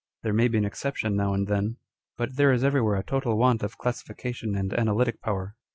There may be an exception now and then, but there is every where a total want of classification and analytic power.